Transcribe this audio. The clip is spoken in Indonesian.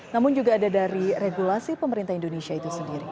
namun juga ada dari regulasi pemerintah indonesia itu sendiri